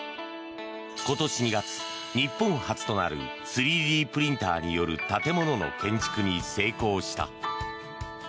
今年２月、日本初となる３Ｄプリンターによる建物の建築に成功した。